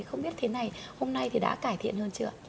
không biết thế này hôm nay thì đã cải thiện hơn chưa